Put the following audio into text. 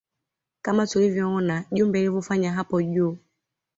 Kama tulivyoona jumbe alivyofanya hapo juu